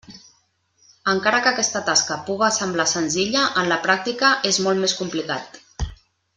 Encara que aquesta tasca puga semblar senzilla, en la pràctica és molt més complicat.